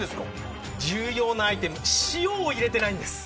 重要なアイテム塩を入れてないんです。